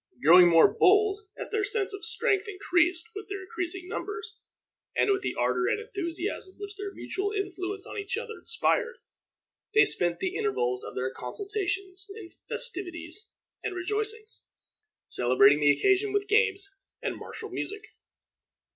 Growing more bold as their sense of strength increased with their increasing numbers, and with the ardor and enthusiasm which their mutual influence on each other inspired, they spent the intervals of their consultations in festivities and rejoicings, celebrating the occasion with games and martial music.